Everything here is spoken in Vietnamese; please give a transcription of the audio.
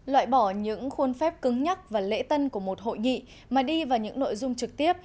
loại bỏ những khuôn phép cứng nhắc và lễ tân của một hội nghị mà đi vào những nội dung trực tiếp